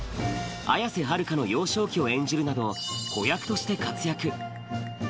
綾瀬はるかの幼少期を演じるなど、子役として活躍。